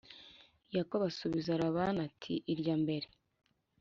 Yakobo asubiza Labani ati Irya mbere